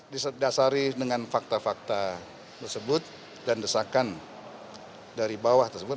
didasari dengan fakta fakta tersebut dan desakan dari bawah tersebut